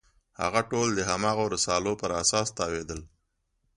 هغه ټول د هماغو رسالو پر اساس تاویلېدل.